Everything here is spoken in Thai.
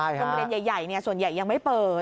โรงเรียนใหญ่ส่วนใหญ่ยังไม่เปิด